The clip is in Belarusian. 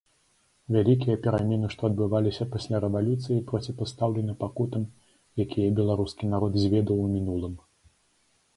Вялікія перамены, што адбываліся пасля рэвалюцыі, проціпастаўлены пакутам, якія беларускі народ зведаў у мінулым.